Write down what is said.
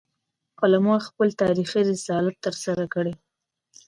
قلموال خپل تاریخي رسالت ترسره کړي